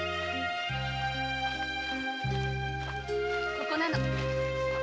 ここなの。